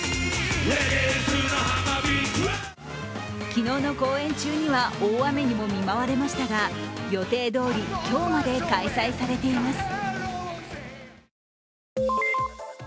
昨日の公演中には大雨にも見舞われましたが予定どおり今日まで開催されています。